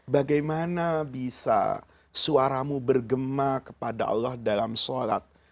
bagaimana bisa suaramu bergema kepada allah dalam sholat